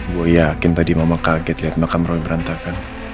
gue yakin tadi mama kaget lihat makam roy berantakan